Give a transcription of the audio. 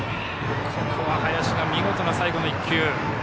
ここは林、見事な最後の１球。